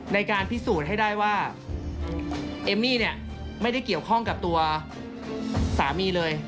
ในการพิสูจน์ให้ได้ว่าเอมมี่เนี่ยไม่ได้เกี่ยวข้องกับตัวสามีเลย